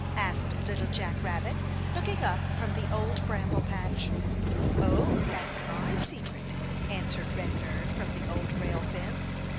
asked Little Jack Rabbit, looking up from the Old Bramble Patch. "Oh, that's my secret," answered Red Bird from the Old Rail Fence.